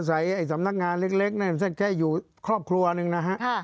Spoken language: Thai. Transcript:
ไอ้สำนักงานเล็กนั่นแค่อยู่ครอบครัวหนึ่งนะฮะ